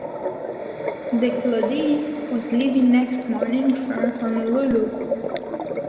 The Claudine was leaving next morning for Honolulu.